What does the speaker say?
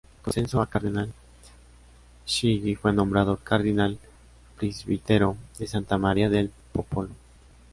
Con su ascenso a Cardenal, Chigi fue nombrado Cardinal-Prisbitero de "Santa María del Popolo".